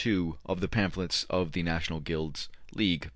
2 of the Pamphlets of the National Guilds League, p.